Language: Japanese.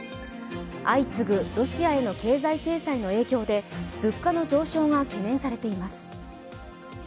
相次ぐロシアへの経済制裁の影響で物価の上昇が懸念されています。